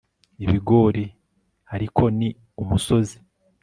ibigori ariko ni umusozi